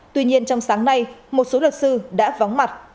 tuy nhiên trong sáng nay một số luật sư đã vắng mặt